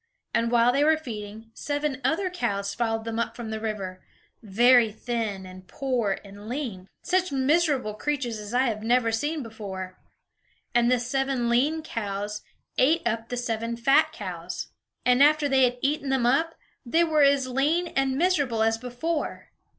And while they were feeding, seven other cows followed them up from the river, very thin, and poor, and lean such miserable creatures as I had never seen before. And the seven lean cows ate up the seven fat cows; and after they had eaten them up, they were as lean and miserable as before.